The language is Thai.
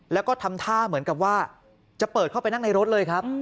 แล้วก็ทำท่าเหมือนกับว่าจะเปิดเข้าไปนั่งในรถเลยครับ